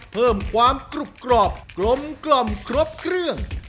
เพิ่มความกรุบกรอบกลมครบเครื่อง